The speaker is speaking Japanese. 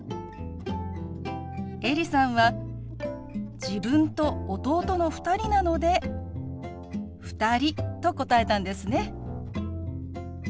エリさんは自分と弟の２人なので２人と答えたんですね。